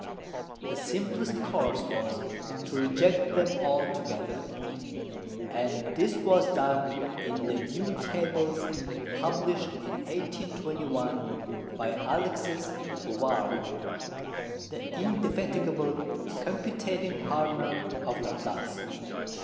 The simplest course was to reject them altogether, and this was done in the new Tables published in 1821 by Alexis Bouvard, the indefatigable computating partner of Laplace.